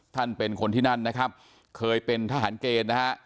ท่านเป็นคนที่นั่นนะครับเคยเป็นทหารเกณฑ์นะฮะ